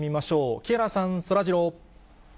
木原さん、そらジロー。